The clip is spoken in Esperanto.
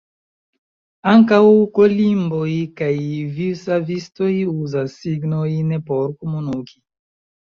Ankaŭ kolimboj kaj vivsavistoj uzas signojn por komuniki.